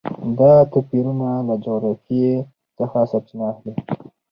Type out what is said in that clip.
دا توپیرونه له جغرافیې څخه سرچینه اخلي.